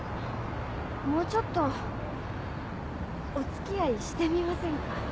もうちょっとおつきあいしてみませんか？